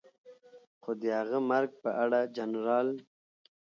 خو د هغه مرګ په اړه جنرال